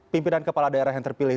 pimpinan kepala daerah yang terpilih